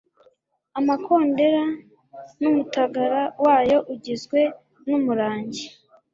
Amakondera n'umutagara wayo ugizwe n' umurangi,